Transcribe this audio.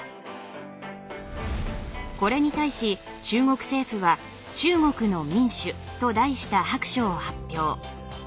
これに対し中国政府は「中国の民主」と題した白書を発表。